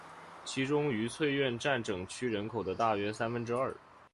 其中愉翠苑占整区人口的大约三分之二。